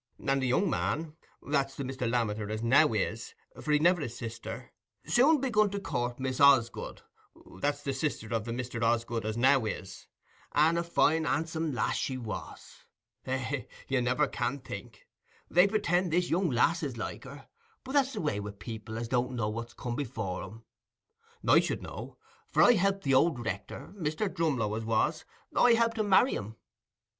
And the young man—that's the Mr. Lammeter as now is, for he'd niver a sister—soon begun to court Miss Osgood, that's the sister o' the Mr. Osgood as now is, and a fine handsome lass she was—eh, you can't think—they pretend this young lass is like her, but that's the way wi' people as don't know what come before 'em. I should know, for I helped the old rector, Mr. Drumlow as was, I helped him marry 'em."